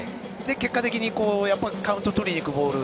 結果的にカウント取りにいくボール